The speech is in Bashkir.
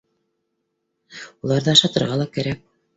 Уларҙы ашатырға ла кәрәк